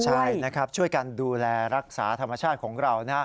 ใช่ช่วยการดูแลรักษาธรรมชาติของเรา